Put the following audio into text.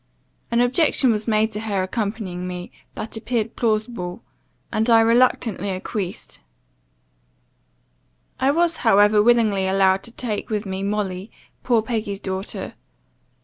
An objection was made to her accompanying me, that appeared plausible; and I reluctantly acquiesced. I was however willingly allowed to take with me Molly, poor Peggy's daughter.